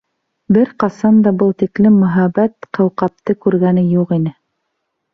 Бер ҡасан да был тиклем мөһабәт ҡауҡабты күргәне юҡ ине!